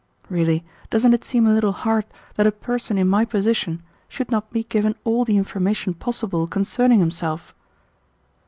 Really, doesn't it seem a little hard that a person in my position should not be given all the information possible concerning himself?"